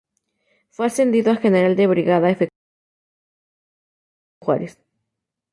Fue ascendido a "General de Brigada Efectivo" por el presidente Benito Juárez.